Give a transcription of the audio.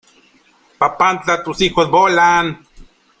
Existe controversia acerca de su localización exacta.